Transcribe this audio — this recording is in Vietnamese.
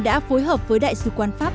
đã phối hợp với đại sứ quán pháp